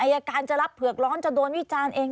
อายการจะรับเผือกร้อนจะโดนวิจารณ์เอง